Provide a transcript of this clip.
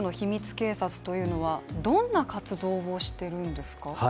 警察というのはどんな活動をしているんですか？